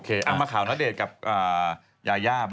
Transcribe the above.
เอามาข่าวณเดชน์กับยายา